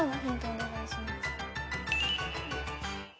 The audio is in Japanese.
お願いします。